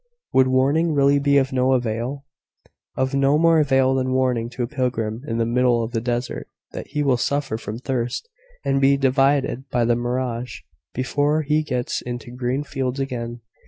"Would warning really be of no avail?" "Of no more avail than warning to a pilgrim in the middle of the desert that he will suffer from thirst, and be deluded by the mirage, before he gets into green fields again.